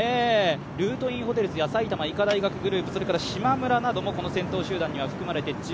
ルートインホテルズや埼玉医科大学グループ、それから、しまむらなども、この先頭集団に含まれています。